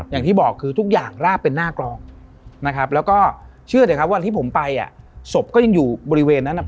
อย่างที่บอกคือทุกอย่างราบเป็นหน้ากรองนะครับแล้วก็เชื่อเถอะครับวันที่ผมไปอ่ะศพก็ยังอยู่บริเวณนั้น